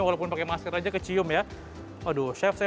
walaupun pakai masker aja kecium ya aduh chef saya